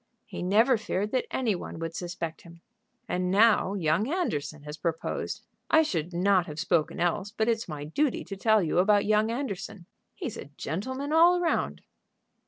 "He never feared that any one would suspect him." "And now young Anderson has proposed. I should not have spoken else, but it's my duty to tell you about young Anderson. He's a gentleman all round."